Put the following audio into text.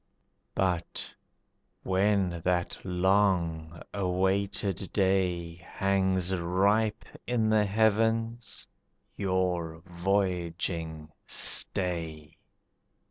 But when that long awaited day Hangs ripe in the heavens, your voyaging stay.